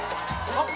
あっ！